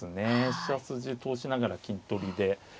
飛車筋通しながら金取りで。